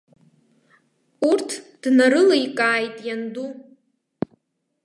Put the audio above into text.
Урҭ днарыликааит ианду.